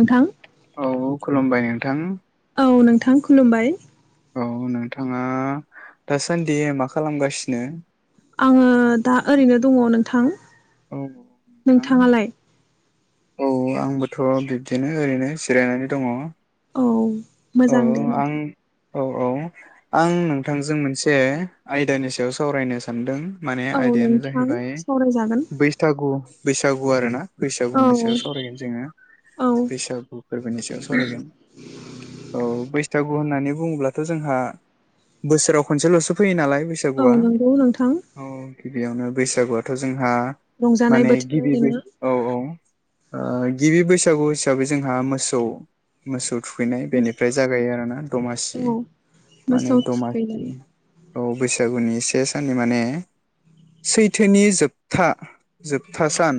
नोंथां औ खुलुमबाय । नोंथां औ नोंथां खुलुमबाय । औ नोंथाङा दासान्दि मा खालामगासिनो? आङो दा ओरैनो दङ नोंथां । औ नोंथां औ आंबोथ' बिब्दिनो ओरैनो जिरायनानै दङ । औ । मोजां दे । औ औ आं नोंथांजों मोनसे आयदानि सायाव सावरायनो सानदों माने औ आयदायानो नोंथां जाहैबाय सावरायजागोन बैसथागु । बैसागु आरो ना औ बैसागुनि सायाव सावरायगोन जोङो औ बैसागु फोरबोनि सायाव सारायगोन । औ बैसागु होननानै बुङोब्लाथ' जोंहा बोसोराव खनसेल'सो फैयो नालाय औ बैसागुआ नंगौ नोंथां औ । बेयावनो बैसागुआथ' जों हा रंजानाय माने बोथोर गिबिबै आरोना औ औ आ गिबि बैसागु हिसाबै जोंहा मोसौ मोसौ थुखैनाय बेनि फ्रे जागायो आरोना दमासि औ माने मोसौ दमाहि थुखैनाय औ बैसागुनि से साननि माने सैथोनि जोबथा जोबथा सान।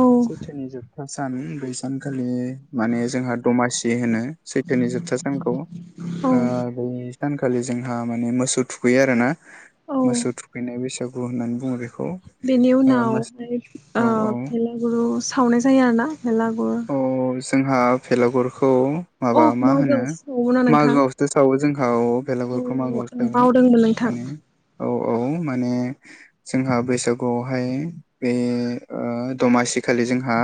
औ सैथोनि जोबथा सान बै सानखालि माने जोंहा दमासि होनो सैथोनि जोबथा सानखौ औ ओ सानखालि जोंहा माने मोसौ थुखैयो आरो ना औ मोसौ थुखैनाय बेैसागु औ होननानै बुङो बे बेनि उनावहाय ओ औ औ बेलागुरु सावनाय जायो आरोना बेलागुरु अ जोंहा फेलागुरखौ माबा मा होनो मागोआवसो सावोमोन ना नोंथां मागोआवसो सावो जोंना औ औ बेलागुरखौ आं मागोआवसो सावो बावदोंमोन नोंथां माने औ - औ माने जोंहा बैसागुआवहाय बे ओ दमासि खालि जोंहा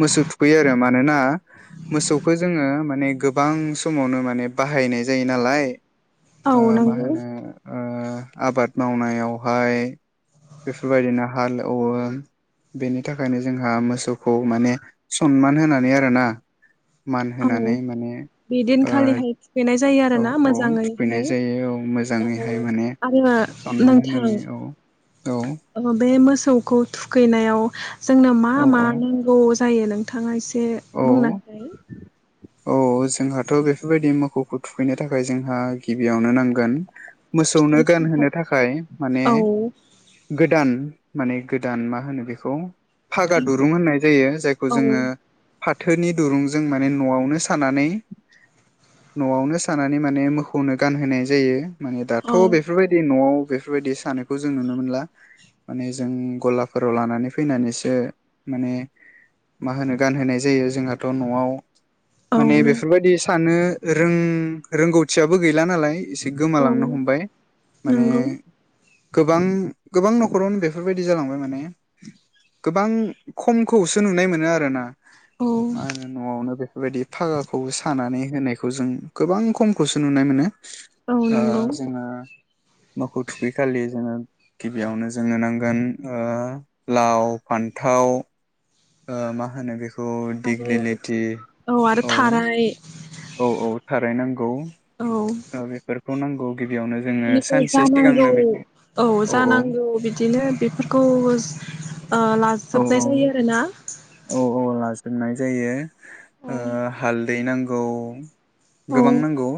मोसौ थुखैयो आरो मानोना मोसौखौ जोङो माने गोबां समावनो माने बाहायनाय जायो नालाय औ ओ मा नंगौ होनो ओ आबाद मावनायावहाय बेफोरबायदिनो हाल एवो बेनि थाखायनो जोंहा मोसौखौ माने सनमान होनानै आरोना मान होनानै माने बि दिन ओ खालिहाय थुखैनाय ज जायो औ आरोना औ थुखैनाय मोजाङैहाय जायो औ औ मोजाङैहाय माने आरो सनमान नोंथां होनानै औ औ अ बे मोस खौ थुखैनायाव जोंनो मा औ मा नांगौ जायो नोंथाङा एसे बे औ बुंना [unintelligible] औ जोंहाथ बेफोरबायदि मोखौखौ थुखैनो थाखाय जोंहा गिबियावनो नांगोन मोसौनो फिथाइ गानहोनो सामथाइ थाखाय माने औ गोदान माने गोदान मा होनो बेखौ फागा दुरुं होननाय जायो जायखौ औ जोङो फाथोनि दुरुंजों माने नआवनो सानानै नआवनो सानानै माने मोखौनो गानहोनाय जायो माने दाथ औ बेफोरबायदि नआव बेफोरबायदि सानायखौ जों नुनो मोनला माने जों गलाफोराव लानानै फैनानैसो माने मा होनो गानहोनाय जा जायो जोंहाथ नआव माने बेफोरबायदि सानो रों रोंगौथियाबो गैला नालाय एसे औ गोमालांनो हमबाय माने नंगौ गोबां गोबां नखरावनो बेफोरबायदि जालांबाय माने गोबां खमखौसो नुनाय मोनो आरोना औ मा होनो नआवनो बेफोरबायदि फागाखौबो सानानै होनायखौ जों गोबां खमखौसो नुनाय मोनो औ ओ नंगौ जोङो मोखौ थुखैखालि जोङो गिबियावनो जोंनो नांगोन ओ लाव फान्थाव ओ मा होनो बेखौ आरो दिग्लि लिथि औ आरो थाराय औ औ थाराय नांगौ औ बेखौ नांगौ गिबियावनो जोङो बेनिफ्राय सानसे सिगांनो जानांगौ बेखौ औ जानांगौ बिदिनो बेफोरखौ ओ औ लाजोबनाय जायो आरोना औ औ लाजोबनाय जायो आ औ हाल दै नांगौ औ गोबां नांगौ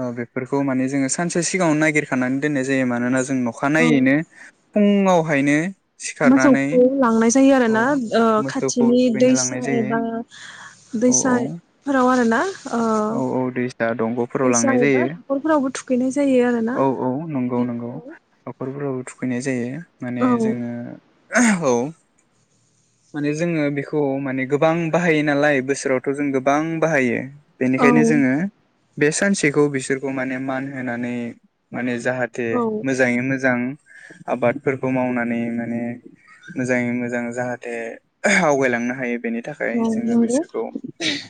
ओ बेफोरखौ माने जोङो सानसे सिगाङाव नायगिरखानानै दोननाय जायो मानोना जा जों औ अखानायैनो फुङावहायनो सिखारनानै मोसौखौ लांनाय जायो आरो औ ना ओ ओ मोसौखौ खाथिनि थुखैनो दैसा लांनाय जायो एबा औ औ दैसाफोराव आरो ना औ औ दैसा दंग'फोराव लांनाय जायो बेनो औ औ नंगौ नंगौ हाखरफोराव थु फैनाय जायो माने औ जोङो औ माने जोङो बेखौ माने गोबां बाहायो नालाय बोसोरावथ' जों गोबां बाहायो बेनिखायनो जोङो बे सानसेखौ बिसोरखौ माने मान होनानै माने जाहाथे औ मोजाङै मोजां आबादफोरखौ मावनानै माने मोजाङै मोजां जाहा ए आवगायलांनो हायो बेनि थाखाय औ जोङो नंगौ बिसोरखौ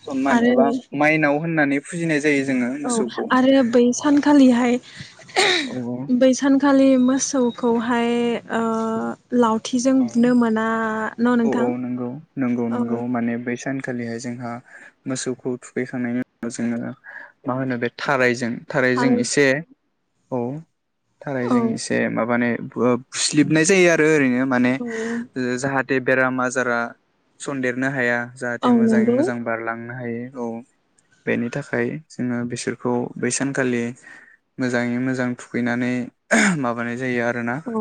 सनमान आरो एबा माइनाव होननानै फुजिनाय जायो जोङो औ मोसौखौ आरो बै सानखालिहाय औ [unintelligible] बैसानखालि मो सौखौहाय ओ लावथिजों औ बुनो मोना न' औ औ नोंथां औ खालिहाय जोंहा मोसौखौ थुखैखांनायनि उनाव जोङो मा होनो बे थारायजों थारै थार जों एसे औ औ थारायजों एसे माबाने बो ओ फुसलिबनाय जायो आरो ओरैनो माने औ जाहा थे बेराम आजारा सन्देरनो हाया। जाहाथे औ मोजाङै नंगौ मोजां बारलाङो हायो औ बेनि थाखाय जोङो बिसोरखौ बै सानखालि मोजाङै मोजां थुखैनानै माबानाय जायो आर औ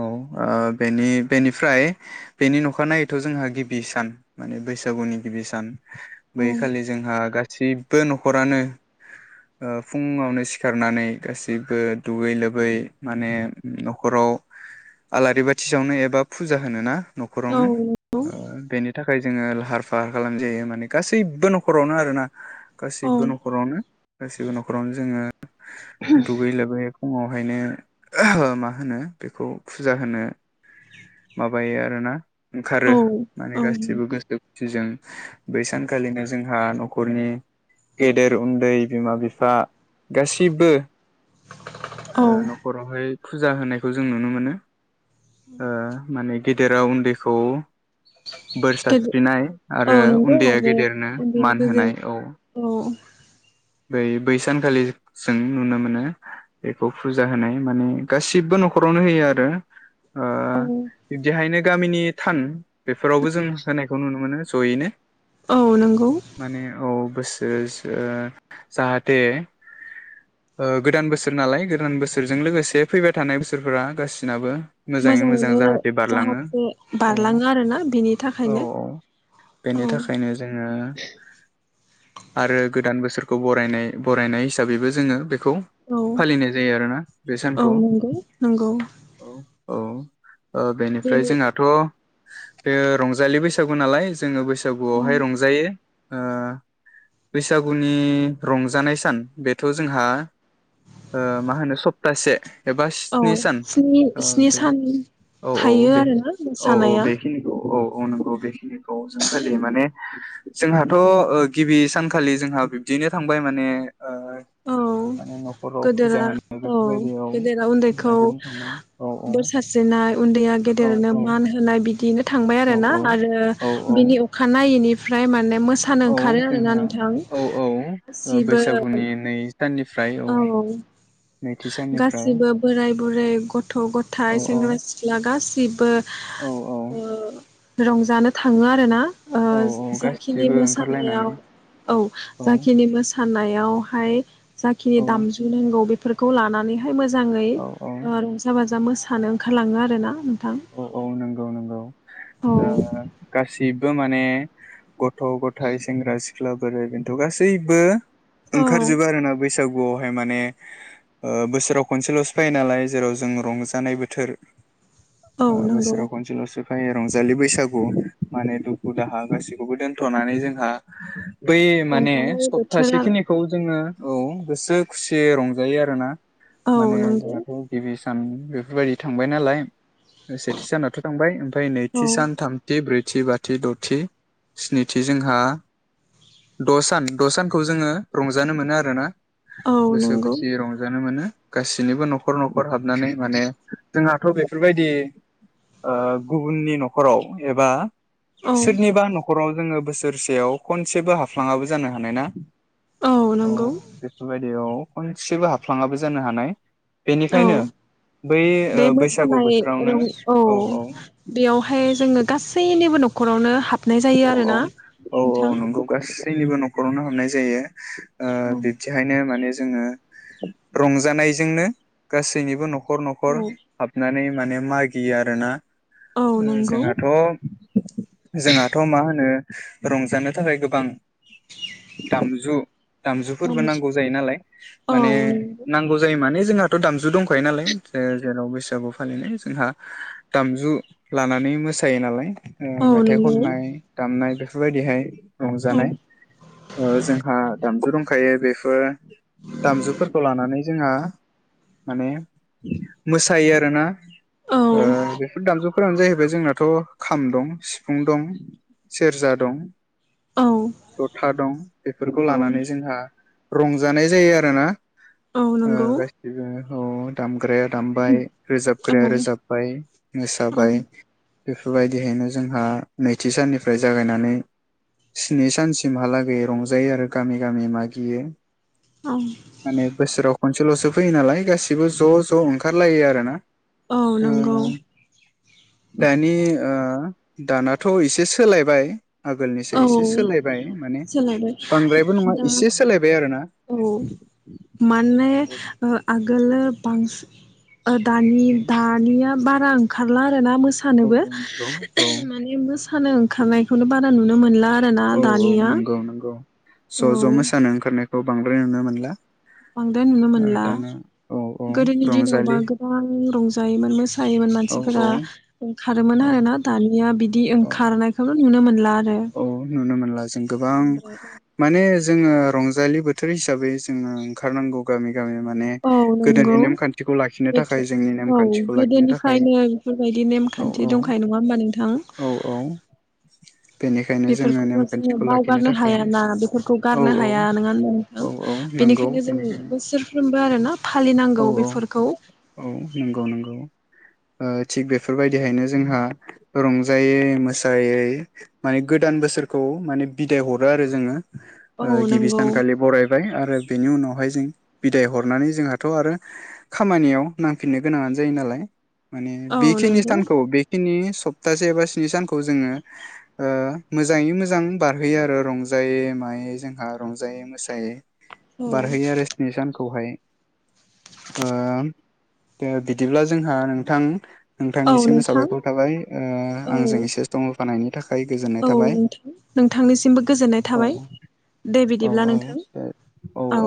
औ ओ बेनि बेनिफ्राय बेनि न'खानायनायैथ' जोंहा गिबि सान माने बैसागुनि गिबि सान। बै औ खालि जोंहा गा सिबबो न'खरानो ओ फुंङावनो सिखारनानै गासैबो दुगैयै लोबै माने न'खराव आलारि बाथि सावनो एबा फुजा होनो ना न'खरावनो औ ओ बेनि थाख खाय जोङो लाहार फाहार खालाम जायो माने गासैबो न'खरावनो आरोना। औ गासैबो न'खरावनो गाैबो न'खरावनो जोङो दुगै लोबै फुङावहायनो मा होनो बेखौ फुजा होनो माबायो आरोना औ ओंखारो माने औ गासिबो गोसो खुसिजों बै सानखालिनो जोंहा न'खरनि गेदेर उन्दै बिमा बिफा गासिबो औ ओ न'खरावहाय फुजा होनाय खो जों नुनो मोनो। ओ माने गेदेराव उन्दैखौ बोर गेजे सारस्रिनाय आरो औ नंगौ उन्दैया आरो गेदेरनो उन्दैया मान गेदेर होनाय औ। बै बै सानखालि जों नुनो मोनो बेखौ फुजा होनाय माने गासिबो न'खरावनो होयो आरो ओ औ बिब्दिहायनो गामिनि थान बेफोरावबो जों होनायखौ नुनो मोनो ज'यैनो औ नंगौ माने औ [unintelligible] जाहाथे ओ गोदान बोसोर नालाय गोदान बोसोरजों लोगोसे फैबाय थानाय बोसोरफोरा गासिनाबो मोजाङै मोजां मोजाङैनो जाहाथे बारलाङो जाहाथे अ बारलाङो आरोना बिनि औ थाखायनो औ औ बेनि थाखायनो जोङो आरो गोदान बोसोर खौ बरायनाय बरायनाय हिसाबैबो जोङो बे खौ औ फालिनाय जायो आरोना बे औ सानखौ नंगौ नंगौ औ औ ओ बेनिफ्राय बेनि जोंहाथ' बे रंजालि बैसागु नालाय जोङो बैसाग बसागुआवहाय रंजायो। ओ बैसागुनि रंजानाय सान बेथ' जोंहा ओ मा होनो सप्तासे एबा औ स्नि सान स्नि स्नि बे सान औ औ थायो बे आरोना औ औ मोसानाया बेखिनिखौ औ औ नंगौ बेखिनिखौ जों फलियो माने। जोंहाथ'ओ गिबि सानखालि जोंहा [unintelligible] बिदिनो थांबाय माने ओ। औ माने न'खराव फुजा होनाय बेफोरबायदियाव [unintelligible] उन्दैखौ बेनो थांबाय औ औ बोर सारस्रिनाय उन्दैया औ गेदेरनो औ मान होनाय बिदिनो थांबाय आरो औ ना औ आरो औ औ बिनि अखाानायनायैनि। फ्राय माने औ जोंहा औ औ गासिबो बैसागुनि नै साननि। औ साननिफ्राय गासिबो बोराय बुरै गथ' औ गथायाइ सेंग्रा सिख्ला गाससि [unintelligible] [unintelligible] औ औ। रंजानो थाङो आरो ना। ओ औ जाखिनि गासिबो मोसानायाव ओंखारलायनानै औ जाखिनि मोसानाय। बेयावहाय। जाखिनि दामजु नांगौ बे। फोरखौ लानानै। [unintelligible] मोजाङै औ रंजा बाजा मोसानो ओंखारलाङो आरो ना। औ औ नंगौ नंगौ औ ओ गासिबो माने। [unintelligible] गथ' गथाइ सेंग्रा [unintelligible] सिख्ला बोराय बोनथ' गासैबो। औ ओंखारजोबो आरोना [unintelligible] बैसागुआवहाय माने ओ बोसोराव खनसेल'सो फायो नालाय जेराव जों रंजानाय बोथोर। औ ओ नंगौ बोसोराव खनसेल'सो। फाय रंजालि बैसागु माने दुखु दाहा गासैखौबो दोनथ'नानै जोंहा। बै माने रंजानाय बोथोरा सप्तासे खिनिखौ जोङो। औ गोसो खुसियै रंजायो आरो ना। औ माने नंगौ जोङाथ' गिबि उम बेफोरबायदि थांबाय नालाय। सेथि सानाथ' थांबाय ओमफ्राय औ नैथि सान थामथि ब्रै थि बाथि द'थि स्निथि जोंहा द' सान द' सानखौ जोङो रंजानो मोनो आरो ना। औ गोसो नंगौ खुसियै रंजानो मोनो। गासैनिबो न' खर न'खर हाबनानै माने जोंहा थ' बेफोरबायदि ओ गुबुननि न'खराव एबा औ सोरनिबा न'खराव जोङो बोसोरसेयाव खनसेबो हाफ्लाङाबो जानो हानाय ना। औ बेफोरबायदि औ। खनसेबो हाबफ्लाङाबो जानो हानाय । औ बेनिखायनो बै ओ बे बैसागु मोसानाय बोथोर रं औ बेयावहाय जोङो गासैनिबो न'खरावनो हाबनाय जायो आरो ना नोंथां। निबो न'खरावनो हाबनाय जायो। ओ औ बिब्दिहायनो माने जोङो रंजानायजोंनो गासैनिबो न' खर न'खर औ हाबनानै माने मागियो आरो ना। औ ओ नंगौ जोंहाथ' जोंहाथ' मा होनो रंजानो थाखाय गोबां दामजु दामजुफोरबो दामजु नांगौ जायो नालाय औ माने नंगौ नांगौ जायो माने जोंहाथ दामजु दं खायो नालाय ओ जेराव बैसागु फालिनाय जोंहा दामजु लानानै मोसायो नालाय औ ओ मेथाइ नंगौ खननाय दामनाय बेफो बेफोरबायदिहाय औ रंजानाय ओ जोंहा दामजु दंखायो बेफोर दामजुफोरखौ लानानै जोंहा माने मोसायो आरोना। ओ औ बेफोर दामजु फोरानो जाहैबाय जोंनाथ' खाम दं सिफुं दं सेरजा दं औ जथा दं बेफोरखौ औ लानानै जोंहा रंजानाय जायो आरोना औ ओ नंगौ औ गासैबो । दामग्राया दामबाय रोजाबग्राया औ रोजाबबाय मोसाबाय औ बेफोरबायदिहैनो जोंहा नैथि साननिफ्राय जागायनानै स्नि सानसिमहालागै रंजायो आरो गामि गामि मागियो माने बोसोराव खनसे सल'सो फैयो नालाय गासिबो ज' ज' ओंखारलायो आरोना औ ओ नंगौ दानि ओ दाना दाथ' एसे सोलायबाय आगोलनिसो औ एसे सोलायबाय माने सोलायबाय बांद्रायबो नङा दा एसे सोलायबाय आरोना औ औ माने ओ आगो [unintelligible] बांस दानि औ दानिया बारा बारा ओंखारला मोसानोबो औ नंगौ औ माने मोस मोसानो ओंखारनायखौनो बारा खो नुनो मोनला आरो औ औ नंगौ नंगौ औ ज' ज' मोसानो ओंखारनायखौ खौव बांद्राय नुनो मोनला बांद्राय नुनो ओ मोनला दाना औ औ गोदोनि दिनावबा रंजालि गोबां रंजायोमोन मोसायोमोन औ औ मानसिफोरा खारोमोन औ आरो ना दानिया बिदि दिं औ ओंखारनायखौनो नुनो नुनो मोनला आरो औ नुनो मोनला जों गोबां ओमफ्राय माने जोङो रंजालि बोथोर हिसाबै जोङो ओंखारनांगौ गामि गामि माने औ गोदोनि नंगौ नेमखान्थिखौ लाखिनो थाखाय बेथ' जोंनि औ नेमखान्थिखौ लाखिनो थाखाय गोदोनिफ्रायनो बेफोरबायदि औ नेमखान्थि औ दंखायो नङा होमबा नोंथां औ औ बेनिखायनो जोङो बेफोरखौबो जोङो नेमखान्थिखौ लाखिनो बावगारनो थाखाय हायाना बेफोरखौ औ गारनो औ हाया नङा होनना औ औ नोंथां नंगौ बेनिखायनो जों बोसोरफ्रोमबो आरो ना फालिनांगौ औ औ बेफोरखौ औ नंगौ नंगौ थिग बेफोरबायदिहायनो जोंहा रंजायै मोसायै माने गोदान बोसोरखौ माने बिदाय हरो आरो जोङो औ गिबि नंगौ सानखालि बरायबाय आरो बेनि उनावहाय जों बिदाय हरनानै जोंहाथ' आरो खामानियाव नांफिननो गोनाङानो जायो नालाय माने औ बेखिनि नंगौ सानखौ बेखिनि सप्तासे एबा स्नि सानखौ जोङो ओ मोजाङै मोजां बारहोयो आरो रंजायै मायै जोंहा रंजायै मोसायै औ बारहोयो आरो स्नि सानखौहाय ओ दे बिदिब्ला जोंहा नोंथां औ नोंथांनिसिम नोंथां साबायखर थाबाय ओ औ आंजों एसे सम होफानायनि थाखाय गोजोननाय औ थाबाय नोंथां नोंथांनिसिमबो गोजोननाय औ थाबाय दे औ बिदिब्ला औ नोंथां दे औ